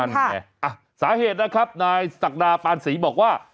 สาเหตุนะครับนายศักดาปานศรีบอกว่า